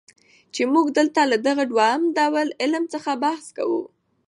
چي موږ دلته له دغه دووم ډول علم څخه بحث کوو.